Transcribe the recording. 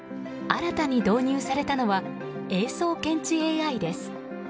新たに導入されたのは営巣検知ＡＩです。